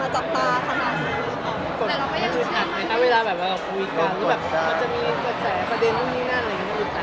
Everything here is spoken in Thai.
ถ้าเวลาแบบเราคุยกันมันจะมีเกิดแสดงพวกนี้นั่นอะไร